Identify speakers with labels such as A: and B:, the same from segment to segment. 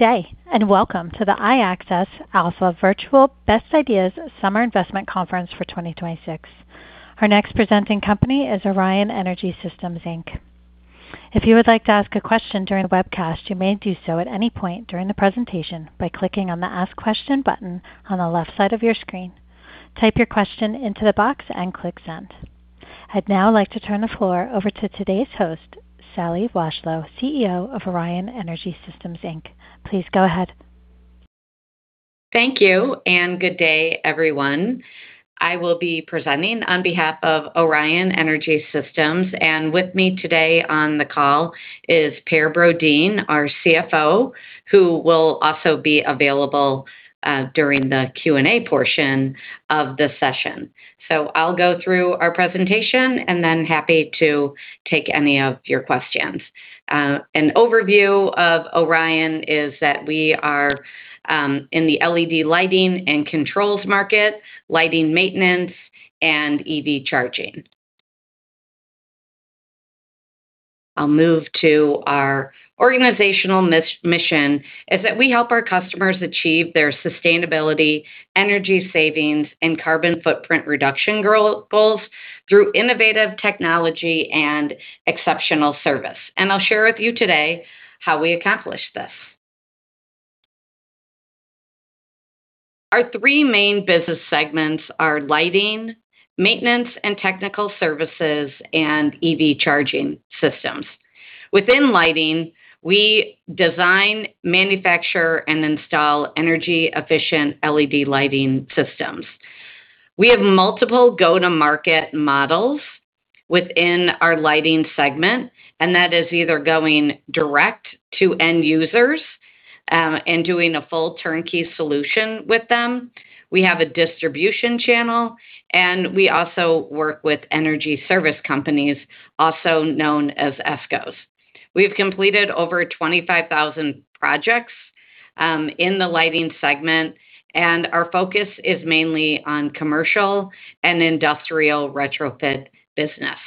A: Day, welcome to the iAccess Alpha Virtual Best Ideas Summer Investment Conference for 2026. Our next presenting company is Orion Energy Systems, Inc. If you would like to ask a question during the webcast, you may do so at any point during the presentation by clicking on the Ask Question button on the left side of your screen. Type your question into the box and click Send. I'd now like to turn the floor over to today's host, Sally Washlow, CEO of Orion Energy Systems, Inc. Please go ahead.
B: Thank you, good day, everyone. I will be presenting on behalf of Orion Energy Systems, and with me today on the call is Per Brodin, our CFO, who will also be available during the Q&A portion of the session. I'll go through our presentation and then be happy to take any of your questions. An overview of Orion is that we are in the LED lighting and controls market, lighting maintenance, and EV charging. I'll move to our organizational mission, which is that we help our customers achieve their sustainability, energy savings, and carbon footprint reduction goals through innovative technology and exceptional service. I'll share with you today how we accomplish this. Our three main business segments are lighting, maintenance and technical services, and EV charging systems. Within lighting, we design, manufacture, and install energy-efficient LED lighting systems. We have multiple go-to-market models within our lighting segment, and that is either going direct to end users or doing a full turnkey solution with them. We have a distribution channel, and we also work with energy service companies, also known as ESCOs. We've completed over 25,000 projects in the lighting segment. Our focus is mainly on commercial and industrial retrofit business.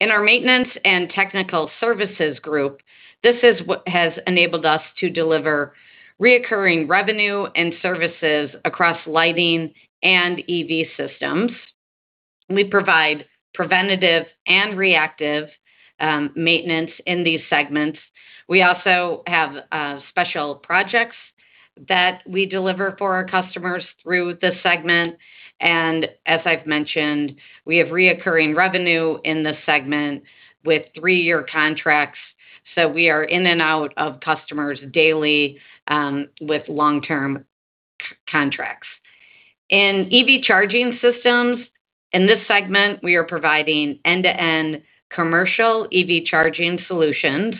B: In our maintenance and technical services group, this is what has enabled us to deliver reoccurring revenue and services across lighting and EV systems. We provide preventative and reactive maintenance in these segments. We also have special projects that we deliver for our customers through this segment. As I've mentioned, we have reoccurring revenue in this segment with three-year contracts, we are in and out of customers daily with long-term contracts. In EV charging systems, in this segment, we are providing end-to-end commercial EV charging solutions.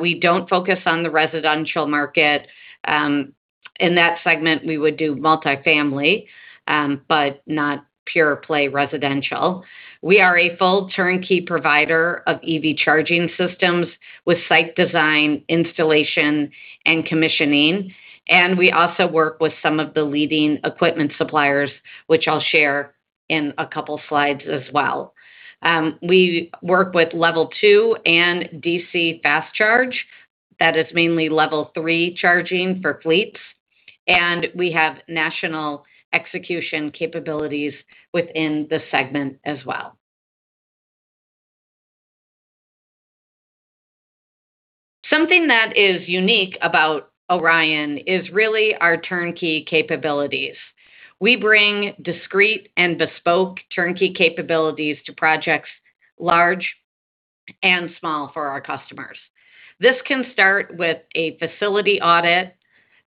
B: We don't focus on the residential market. In that segment, we would do multi-family, but not pure-play residential. We are a full turnkey provider of EV charging systems with site design, installation, and commissioning. We also work with some of the leading equipment suppliers, which I'll share in a couple slides as well. We work with level 2 and DC fast charge. That is mainly level 3 charging for fleets. We have national execution capabilities within the segment as well. Something that is unique about Orion is really our turnkey capabilities. We bring discrete and bespoke turnkey capabilities to projects large and small for our customers. This can start with a facility audit,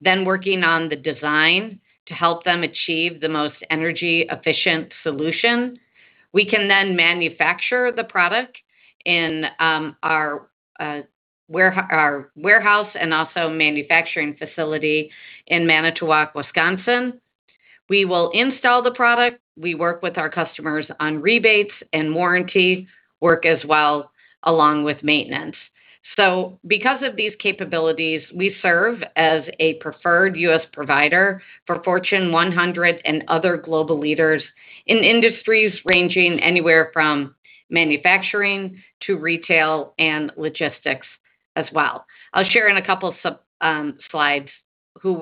B: then working on the design to help them achieve the most energy-efficient solution. We can then manufacture the product in our warehouse and also in our manufacturing facility in Manitowoc, Wisconsin. We will install the product. We work with our customers on rebates and warranty work as well, along with maintenance. Because of these capabilities, we serve as a preferred U.S. provider for Fortune 100 and other global leaders in industries ranging anywhere from manufacturing to retail and logistics as well. I'll share in a couple slides who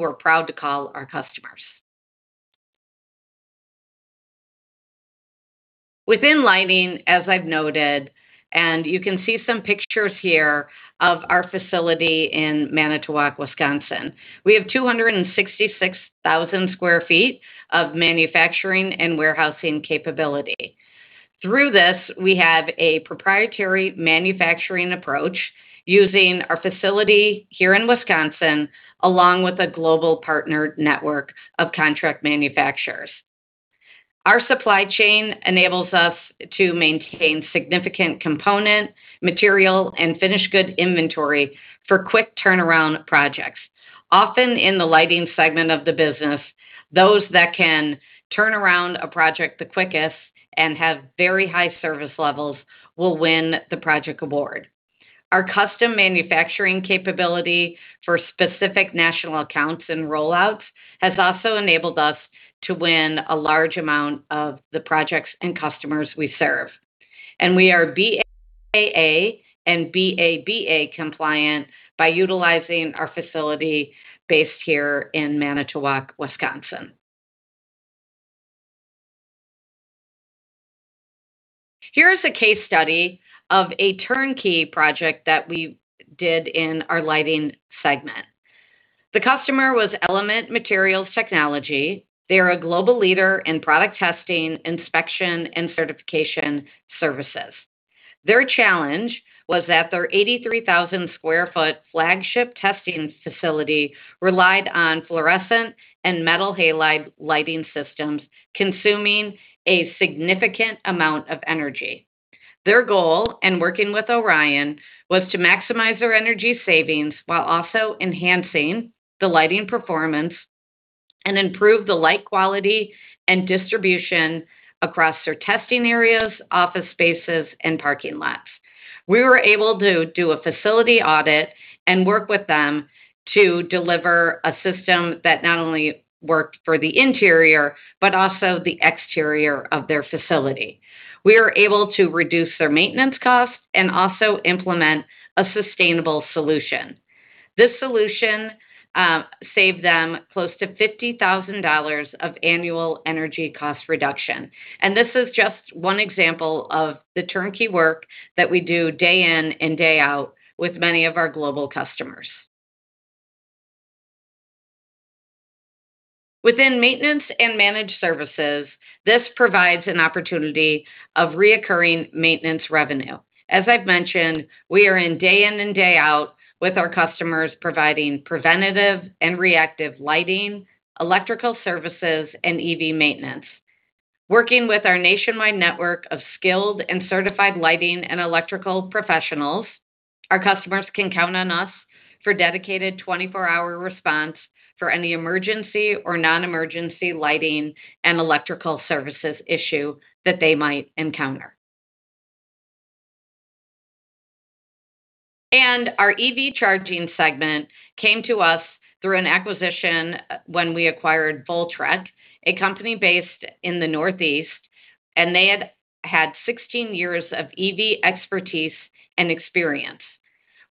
B: we're proud to call our customers. Within lighting, as I've noted, and you can see some pictures here of our facility in Manitowoc, Wisconsin. We have 266,000sq ft of manufacturing and warehousing capability. Through this, we have a proprietary manufacturing approach using our facility here in Wisconsin, along with a global partner network of contract manufacturers. Our supply chain enables us to maintain significant component, material, and finished good inventory for quick turnaround projects. Often in the lighting segment of the business, those that can turn around a project the quickest and have very high service levels will win the project award. Our custom manufacturing capability for specific national accounts and rollouts has also enabled us to win a large number of the projects and customers we serve. We are BAA and BABA compliant by utilizing our facility based here in Manitowoc, Wisconsin. Here is a case study of a turnkey project that we did in our lighting segment. The customer was Element Materials Technology. They are a global leader in product testing, inspection, and certification services. Their challenge was that their 83,000sq ft flagship testing facility relied on fluorescent and metal halide lighting systems, consuming a significant amount of energy. Their goal in working with Orion was to maximize their energy savings while also enhancing the lighting performance and improve the light quality and distribution across their testing areas, office spaces, and parking lots. We were able to do a facility audit and work with them to deliver a system that not only worked for the interior but also the exterior of their facility. We were able to reduce their maintenance costs and also implement a sustainable solution. This solution saved them close to $50,000 of annual energy cost reduction, and this is just one example of the turnkey work that we do day in and day out with many of our global customers. Within maintenance and managed services, this provides an opportunity for recurring maintenance revenue. As I've mentioned, we are in day in and day out with our customers, providing preventative and reactive lighting, electrical services, and EV maintenance. Working with our nationwide network of skilled and certified lighting and electrical professionals, our customers can count on us for dedicated 24-hour response for any emergency or non-emergency lighting and electrical services issue that they might encounter. Our EV charging segment came to us through an acquisition when we acquired Voltrek, a company based in the Northeast, and they had had 16 years of EV expertise and experience.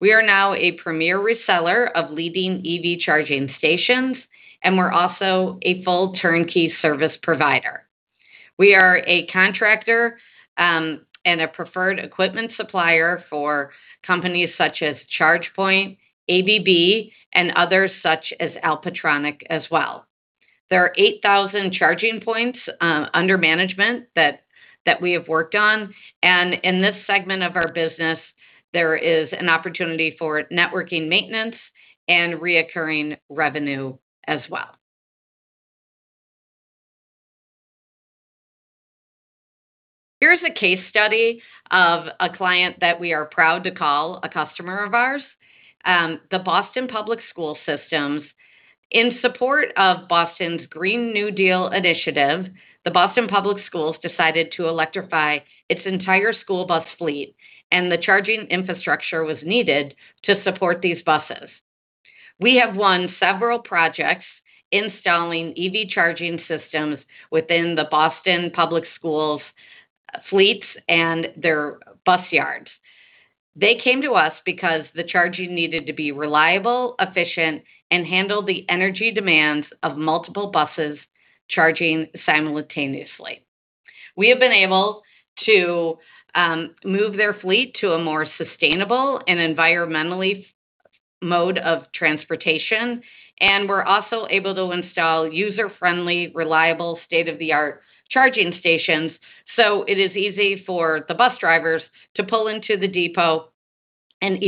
B: We are now a premier reseller of leading EV charging stations, and we are also a full turnkey service provider. We are a contractor and a preferred equipment supplier for companies such as ChargePoint, ABB, and others such as Alpitronic as well. There are 8,000 charging points under management that we have worked on. In this segment of our business, there is an opportunity for networking maintenance and recurring revenue as well. Here is a case study of a client that we are proud to call a customer of ours, the Boston Public Schools. In support of Boston's Green New Deal initiative, the Boston Public Schools decided to electrify its entire school bus fleet. The charging infrastructure was needed to support these buses. We have won several projects installing EV charging systems within the Boston Public Schools' fleets and their bus yards. They came to us because the charging needed to be reliable, efficient, and able to handle the energy demands of multiple buses charging simultaneously. We have been able to move their fleet to a more sustainable and environmental mode of transportation. We're also able to install user-friendly, reliable, state-of-the-art charging stations, so it is easy for the bus drivers to pull into the depot and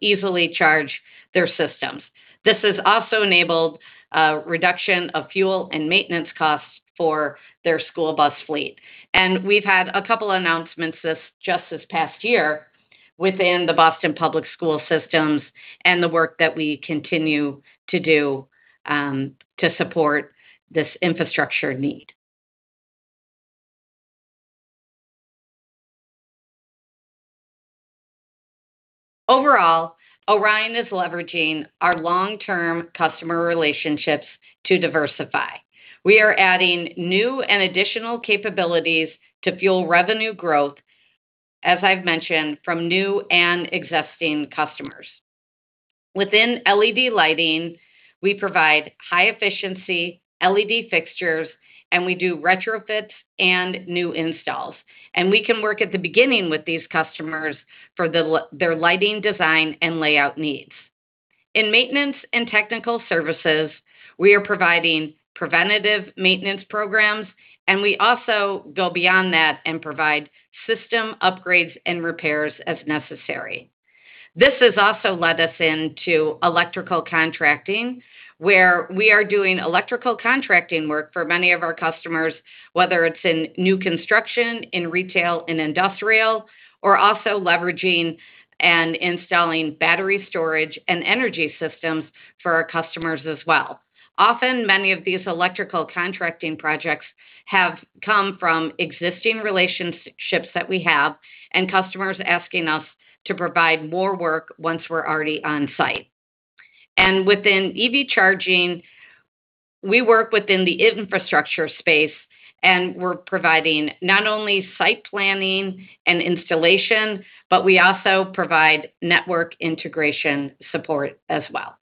B: easily charge their systems. This has also enabled a reduction of fuel and maintenance costs for their school bus fleet. We've had a couple announcements just this past year within the Boston Public Schools and the work that we continue to do to support this infrastructure need. Overall, Orion is leveraging our long-term customer relationships to diversify. We are adding new and additional capabilities to fuel revenue growth, as I've mentioned, from new and existing customers. Within LED lighting, we provide high-efficiency LED fixtures, and we do retrofits and new installs. We can work at the beginning with these customers for their lighting design and layout needs. In maintenance and technical services, we are providing preventive maintenance programs. We also go beyond that and provide system upgrades and repairs as necessary. This has also led us into electrical contracting, where we are doing electrical contracting work for many of our customers, whether it's in new construction, in retail and industrial, or also leveraging and installing battery storage and energy systems for our customers as well. Often, many of these electrical contracting projects have come from existing relationships that we have and customers asking us to provide more work once we're already on site. Within EV charging, we work within the infrastructure space. We're providing not only site planning and installation, but we also provide network integration support as well.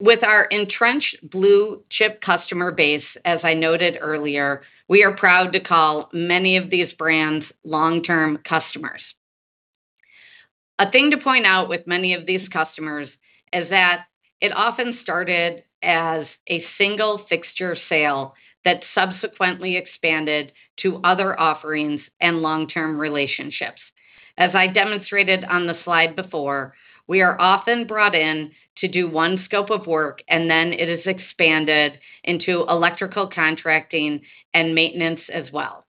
B: With our entrenched blue-chip customer base, as I noted earlier, we are proud to call many of these brands long-term customers. A thing to point out with many of these customers is that it often started as a single fixture sale that subsequently expanded to other offerings and long-term relationships. As I demonstrated on the slide before, we are often brought in to do one scope of work. Then it is expanded into electrical contracting and maintenance as well.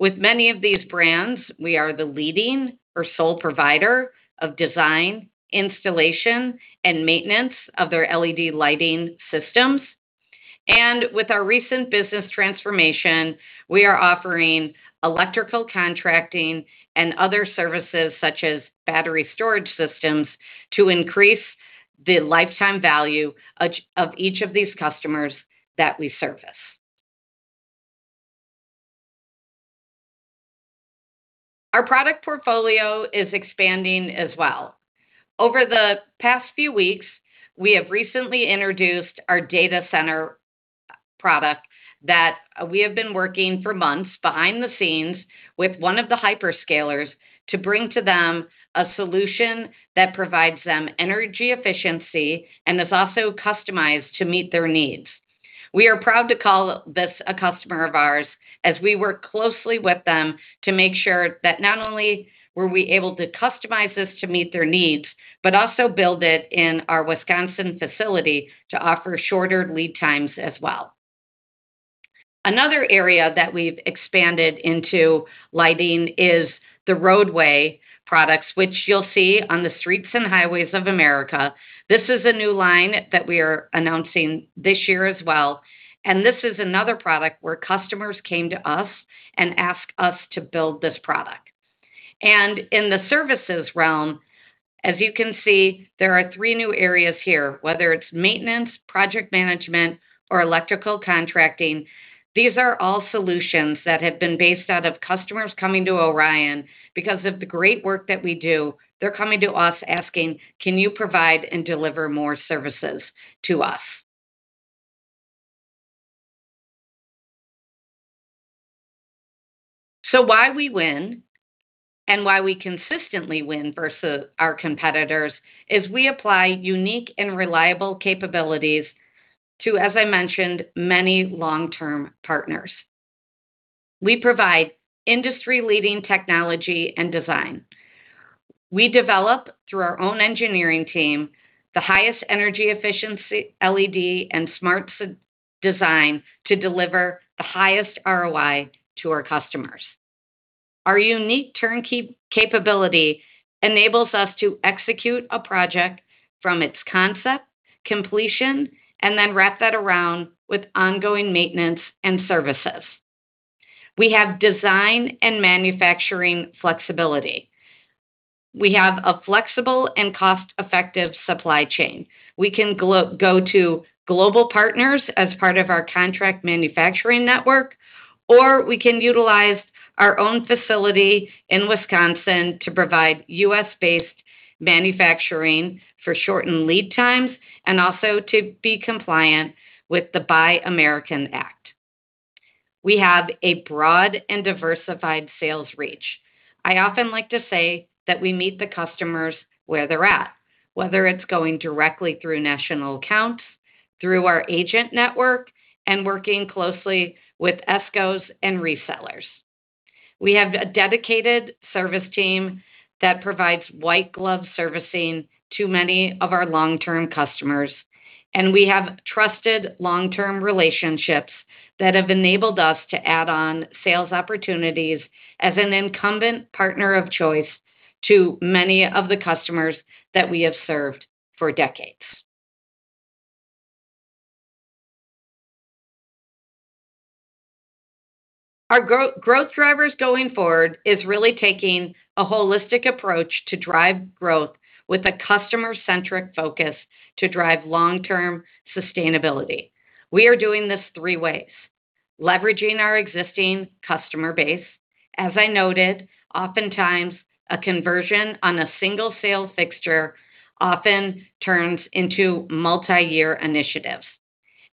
B: With many of these brands, we are the leading or sole provider of design, installation, and maintenance of their LED lighting systems. With our recent business transformation, we are offering electrical contracting and other services such as battery storage systems to increase the lifetime value of each of these customers that we service. Our product portfolio is expanding as well. Over the past few weeks, we have recently introduced our data center product that we have been working for months behind the scenes with one of the hyperscalers to bring to them a solution that provides them energy efficiency and is also customized to meet their needs. We are proud to call this a customer of ours, as we worked closely with them to make sure that not only were we able to customize this to meet their needs, but also build it in our Wisconsin facility to offer shorter lead times as well. Another area that we've expanded into lighting is the roadway products, which you'll see on the streets and highways of America. This is a new line that we are announcing this year as well, and this is another product where customers came to us and asked us to build this product. In the services realm, as you can see, there are three new areas here, whether it's maintenance, project management, or electrical contracting. These are all solutions that have been based out of customers coming to Orion. Because of the great work that we do, they're coming to us asking, Can you provide and deliver more services to us? Why we win, and why we consistently win versus our competitors, is that we apply unique and reliable capabilities to, as I mentioned, many long-term partners. We provide industry-leading technology and design. We develop, through our own engineering team, the highest energy efficiency LEDs and smart designs to deliver the highest ROI to our customers. Our unique turnkey capability enables us to execute a project from its concept to completion and then wrap that around with ongoing maintenance and services. We have design and manufacturing flexibility. We have a flexible and cost-effective supply chain. We can go to global partners as part of our contract manufacturing network, or we can utilize our own facility in Wisconsin to provide U.S.-based manufacturing for shortened lead times and also to be compliant with the Buy American Act. We have a broad and diversified sales reach. I often like to say that we meet the customers where they're at, whether it's going directly through national accounts, through our agent network, or working closely with ESCOs and resellers. We have a dedicated service team that provides white glove servicing to many of our long-term customers, and we have trusted long-term relationships that have enabled us to add on sales opportunities as an incumbent partner of choice to many of the customers that we have served for decades. Our growth driver going forward is really taking a holistic approach to drive growth with a customer-centric focus to drive long-term sustainability. We are doing this three ways: leveraging our existing customer base. As I noted, oftentimes, a conversion on a single sales fixture often turns into multi-year initiatives.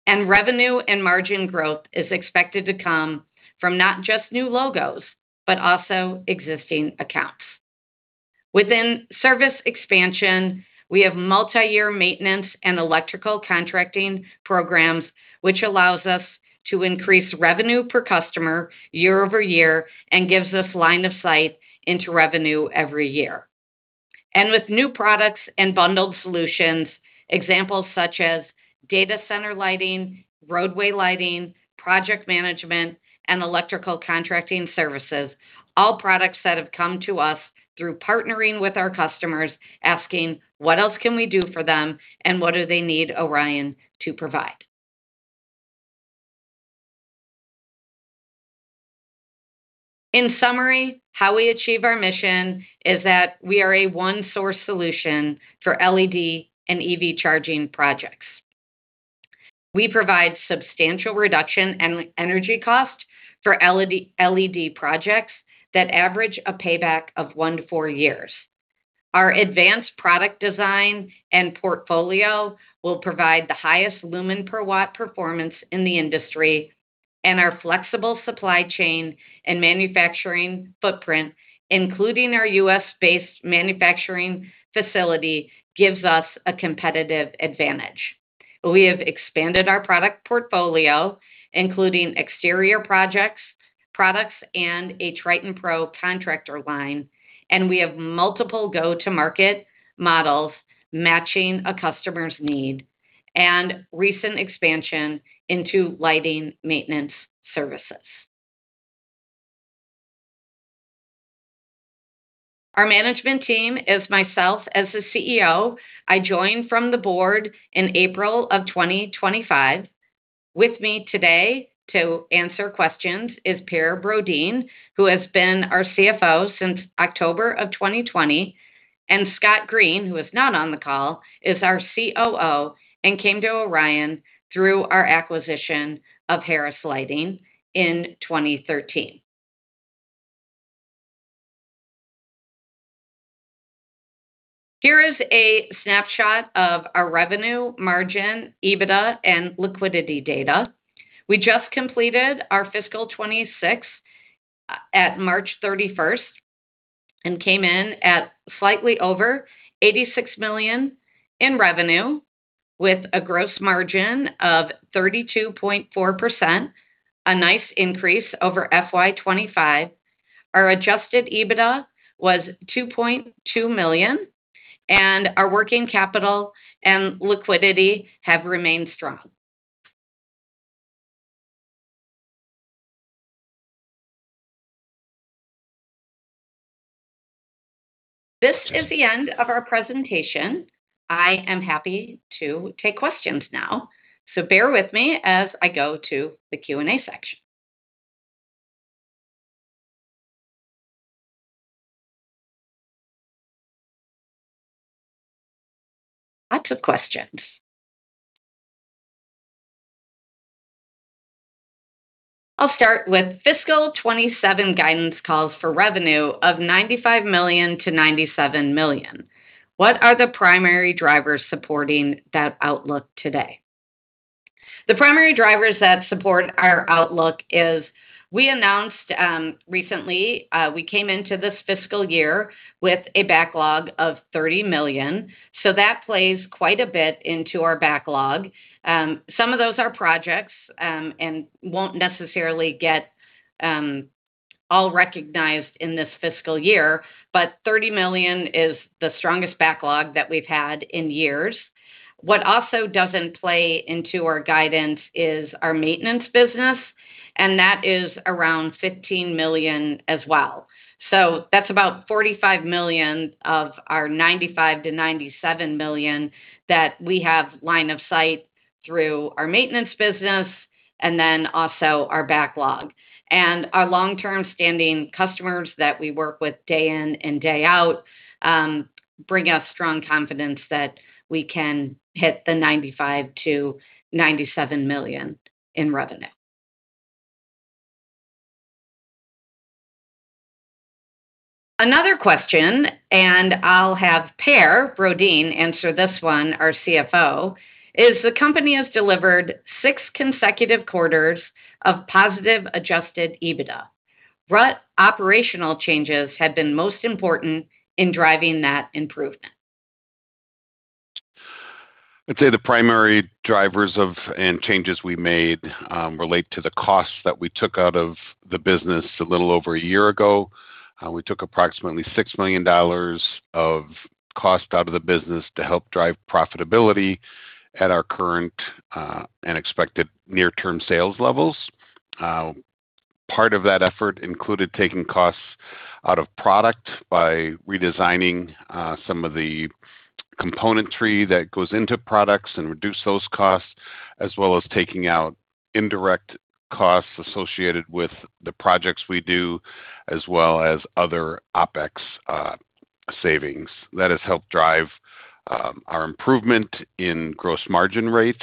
B: Revenue and margin growth is expected to come from not just new logos, but also existing accounts. Within service expansion, we have multi-year maintenance and electrical contracting programs, which allows us to increase revenue per customer year-over-year and gives us line of sight into revenue every year. With new products and bundled solutions, examples such as data center lighting, roadway lighting, project management, and electrical contracting services, all products that have come to us through partnering with our customers, asking what else can we do for them, and what do they need Orion to provide? In summary, how we achieve our mission is that we are a one-source solution for LED and EV charging projects. We provide a substantial reduction in energy cost for LED projects that average a payback of one to four years. Our advanced product design and portfolio will provide the highest lumen per watt performance in the industry, and our flexible supply chain and manufacturing footprint, including our U.S.-based manufacturing facility, gives us a competitive advantage. We have expanded our product portfolio, including exterior products and a Triton Pro contractor line, and we have multiple go-to-market models matching a customer's need and recent expansion into lighting maintenance services. Our management team is me as the CEO. I joined the board in April 2025. With me today to answer questions is Per Brodin, who has been our CFO since October 2020, and Scott Green, who is not on the call, is our COO and came to Orion through our acquisition of Harris Lighting in 2013. Here is a snapshot of our revenue margin, EBITDA, and liquidity data. We just completed our fiscal 2026 on March 31st and came in at slightly over $86 million in revenue with a gross margin of 32.4%, a nice increase over FY2025. Our adjusted EBITDA was $2.2 million, and our working capital and liquidity have remained strong. This is the end of our presentation. I am happy to take questions now, so bear with me as I go to the Q&A section. Lots of questions. I'll start with fiscal 2027 guidance calls for revenue of $95 million-$97 million. What are the primary drivers supporting that outlook today? The primary drivers that support our outlook is—we announced recently, we came into this fiscal year with a backlog of $30 million, so that plays quite a bit into our backlog. Some of those are projects and won't necessarily get all recognized in this fiscal year, but $30 million is the strongest backlog that we've had in years. What also doesn't play into our guidance is our maintenance business, and that is around $15 million as well. So that's about $45 million of our $95 million-$97 million that we have line of sight to through our maintenance business and then also our backlog. Our long-term, standing customers that we work with day in and day out bring us strong confidence that we can hit $95 million-$97 million in revenue. Another question, and I'll have Per Brodin, our CFO, answer this one, is the company has delivered six consecutive quarters of positive adjusted EBITDA. What operational changes have been most important in driving that improvement?
C: I'd say the primary drivers of the changes we made relate to the costs that we took out of the business a little over a year ago. We took approximately $6 million of cost out of the business to help drive profitability at our current, and expected near-term sales levels. Part of that effort included taking costs out of products by redesigning some of the componentry that goes into products and reducing those costs, as well as taking out indirect costs associated with the projects we do, as well as other OPEX savings. That has helped drive our improvement in gross margin rate,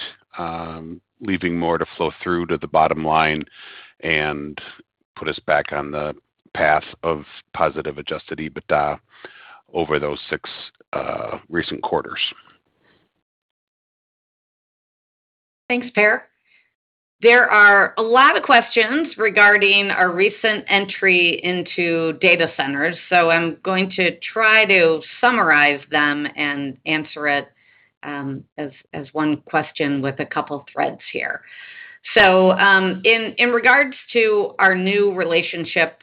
C: leaving more to flow through to the bottom line and put us back on the path of positive adjusted EBITDA over those six recent quarters.
B: Thanks, Per. There are a lot of questions regarding our recent entry into data centers. I'm going to try to summarize them and answer them as one question with a couple threads here. In regard to our new relationship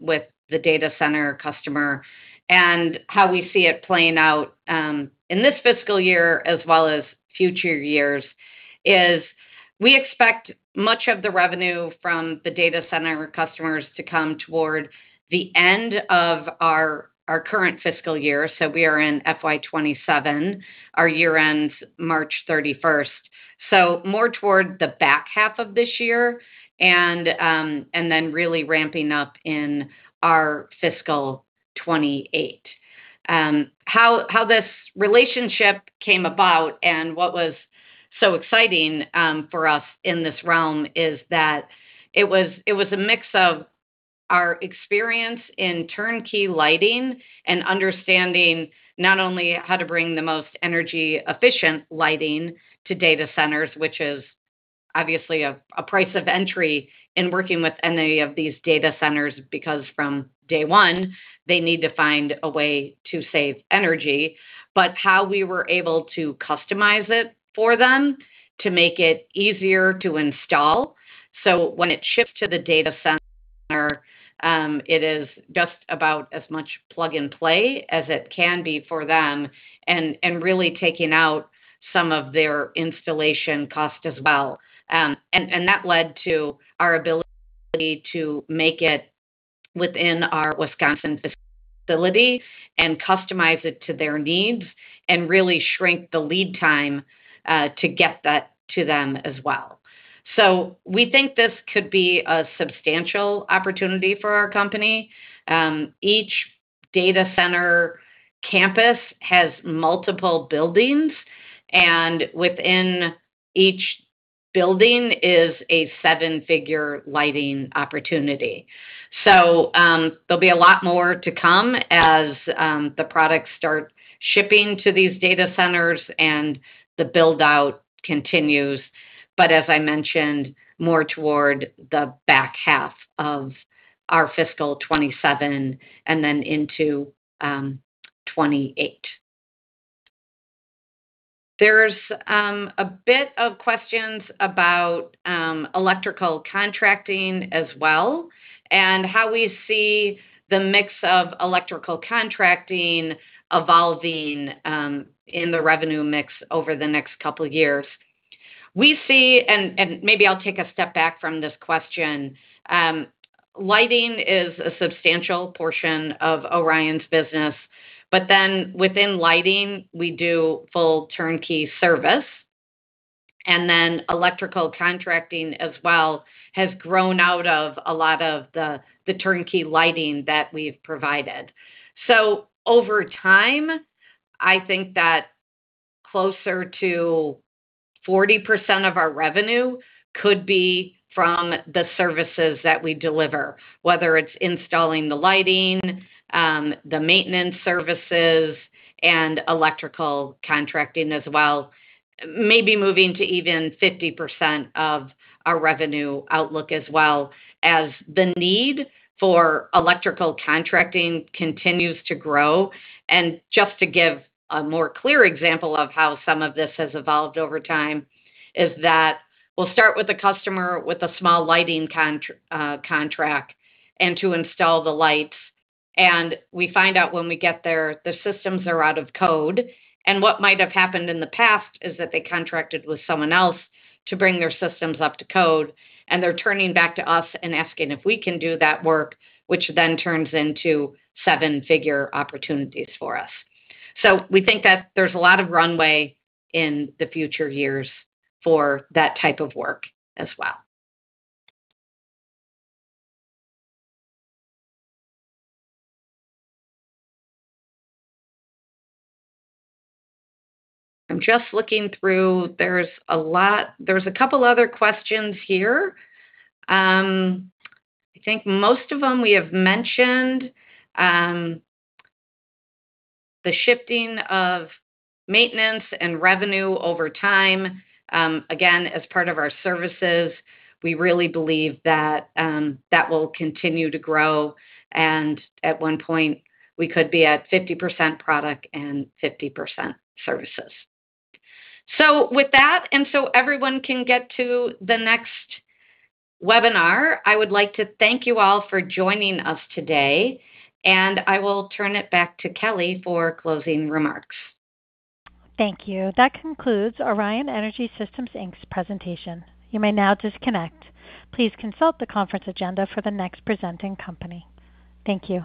B: with the data center customer and how we see it playing out in this fiscal year as well as future years, we expect much of the revenue from the data center customers to come toward the end of our current fiscal year. We are in FY2027. Our year ends March 31st. More toward the back half of this year, and then really ramping up in our fiscal 2028. How this relationship came about and what was so exciting for us in this realm is that it was a mix of our experience in turnkey lighting and understanding not only how to bring the most energy-efficient lighting to data centers, which is obviously a prerequisite in working with any of these data centers, because from day one, they need to find a way to save energy, but also how we were able to customize it for them to make it easier to install. When it ships to the data center, it is just about as much plug-and-play as it can be for them, really taking out some of their installation cost as well. That led to our ability to make it within our Wisconsin facility and customize it to their needs and really shrink the lead time to get that to them as well. We think this could be a substantial opportunity for our company. Each data center campus has multiple buildings, and within each building is a seven-figure lighting opportunity. There'll be a lot more to come as the products start shipping to these data centers and the build-out continues. As I mentioned, more toward the back half of our fiscal 2027 and then into 2028. There are a bit of questions about electrical contracting as well and how we see the mix of electrical contracting evolving in the revenue mix over the next couple of years. We see, and maybe I'll take a step back from this question. Lighting is a substantial portion of Orion's business. Within lighting, we do full turnkey service. Electrical contracting as well has grown out of a lot of the turnkey lighting that we've provided. Over time, I think that closer to 40% of our revenue could be from the services that we deliver, whether it's installing the lighting, the maintenance services, and electrical contracting as well. Maybe moving to even 50% of our revenue outlook as well, as the need for electrical contracting continues to grow. Just to give a more clear example of how some of this has evolved over time is that we'll start with a customer with a small lighting contract, and to install the lights. We find out when we get there tha the systems are out of code. What might have happened in the past is that they contracted with someone else to bring their systems up to code, and they're turning back to us and asking if we can do that work, which then turns into seven-figure opportunities for us. We think that there's a lot of runway in the future years for that type of work as well. I'm just looking through. There are a couple other questions here. I think most of them we have mentioned. The shifting of maintenance and revenue over time, again, as part of our services. We really believe that will continue to grow, and at one point, we could be at 50% product and 50% services. With that, and so everyone can get to the next webinar, I would like to thank you all for joining us today, and I will turn it back to Kelly for closing remarks.
A: Thank you. That concludes Orion Energy Systems, Inc.'s presentation. You may now disconnect. Please consult the conference agenda for the next presenting company. Thank you